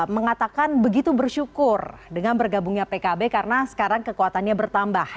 mengatakan begitu bersyukur dengan bergabungnya pkb karena sekarang kekuatannya bertambah